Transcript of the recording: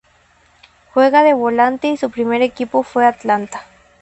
Juega de volante y su primer equipo fue Atlanta.